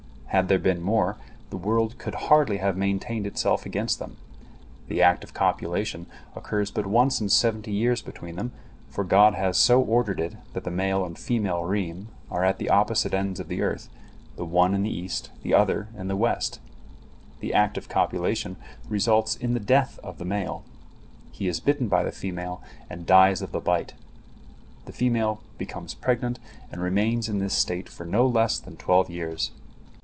Had there been more, the world could hardly have maintained itself against them. The act of copulation occurs but once in seventy years between them, for God has so ordered it that the male and female reem are at opposite ends of the earth, the one in the east, the other in the west. The act of copulation results in the death of the male. He is bitten by the female and dies of the bite. The female becomes pregnant and remains in this state for no less than twelve years.